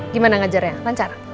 gimana ngajarnya lancar